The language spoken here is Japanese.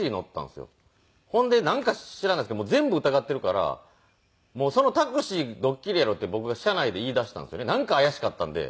ほんでなんか知らないですけど全部疑っているからもう「そのタクシードッキリやろ」って僕が車内で言い出したんですよねなんか怪しかったんで。